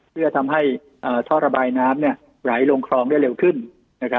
เพื่อทำให้ท่อระบายน้ำเนี่ยไหลลงครองได้เร็วขึ้นนะครับ